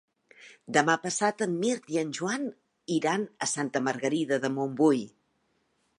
Demà passat en Mirt i en Joan iran a Santa Margarida de Montbui.